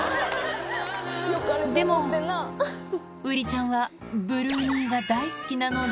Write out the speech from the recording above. でも、ウリちゃんはブルー兄が大好きなので。